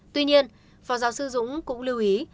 tuy nhiên phó giáo sư dũng cũng lưu ý